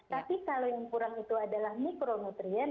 tapi kalau yang kurang itu adalah mikronutrien